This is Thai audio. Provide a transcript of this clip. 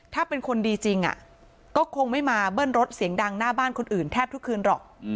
ถ้าเป็นคนดีจริงก็คงไม่มาเบิ้ลรถเสียงดังหน้าบ้านคนอื่นแทบทุกคืนหรอก